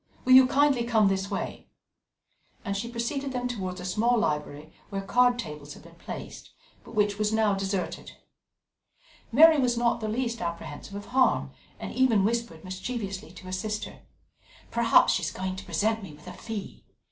Will you kindly come this way?" And she preceded them towards a small library, where card tables had been placed, but which was now deserted. Mary was not the least apprehensive of harm, and even whispered mischievously to her sister: "Perhaps she is going to present me with a fee!"